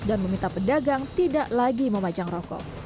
dan meminta pedagang tidak lagi memajang rokok